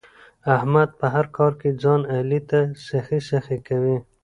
احمد په هر کار کې ځان علي ته سخی سخی کوي.